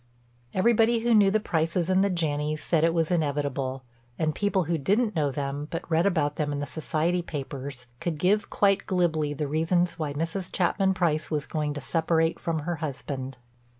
Everybody who knew the Prices and the Janneys said it was inevitable, and people who didn't know them but read about them in the "society papers" could give quite glibly the reasons why Mrs. Chapman Price was going to separate from her husband.